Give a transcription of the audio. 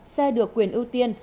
xe được quyền ưu tiên